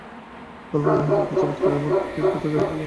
গল্পটির মহাকাব্যিক চমৎকারিত্বই রোমানদের নিকট হৃদয়গ্রাহী হয়েছিল।